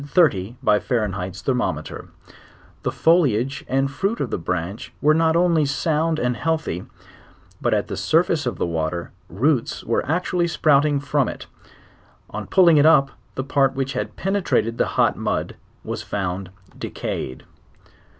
by Fahrenheit's thermometer; the foliage and fruit of the branch were not only sound and healthy, but at the surface of the water, roots were actually sprouting from it: on pulling it up, the part which had penetrated ihe hot inud was found decayed.